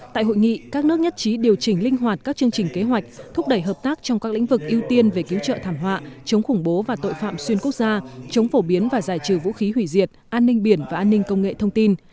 tại hội nghị các nước nhất trí điều chỉnh linh hoạt các chương trình kế hoạch thúc đẩy hợp tác trong các lĩnh vực ưu tiên về cứu trợ thảm họa chống khủng bố và tội phạm xuyên quốc gia chống phổ biến và giải trừ vũ khí hủy diệt an ninh biển và an ninh công nghệ thông tin